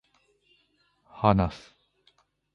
話す